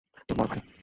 তোর বড় ভাই।